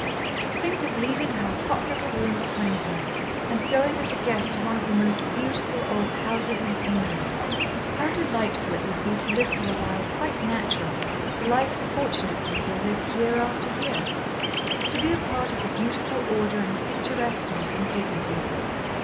To think of leaving her hot little room behind her and going as a guest to one of the most beautiful old houses in England! How delightful it would be to live for a while quite naturally the life the fortunate people lived year after year to be a part of the beautiful order and picturesqueness and dignity of it!